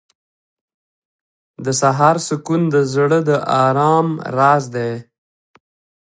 • د سهار سکون د زړه د آرام راز دی.